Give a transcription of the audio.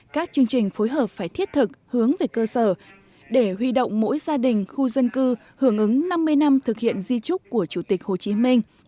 các chương trình phối hợp phải thiết thực hướng về cơ sở để huy động mỗi gia đình khu dân cư hưởng ứng năm mươi năm thực hiện di trúc của chủ tịch hồ chí minh